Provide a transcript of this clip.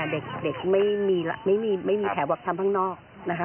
เด็กไม่มีแถวบักทำข้างนอก